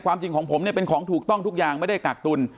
จริงของผมเนี่ยเป็นของถูกต้องทุกอย่างไม่ได้กักตุล